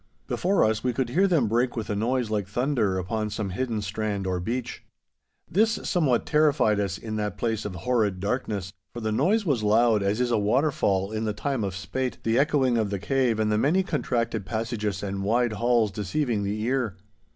Before us we could hear them break with a noise like thunder upon some hidden strand or beach. This somewhat terrified us in that place of horrid darkness, for the noise was loud as is a waterfall in the time of spate, the echoing of the cave and the many contracted passages and wide halls deceiving the ear.